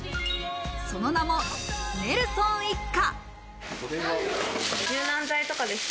その名もネルソン一家。